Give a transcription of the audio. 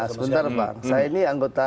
sebentar saya ini anggota